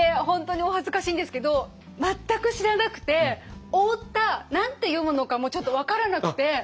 本当にお恥ずかしいんですけど全く知らなくて大田何て読むのかもちょっと分からなくて。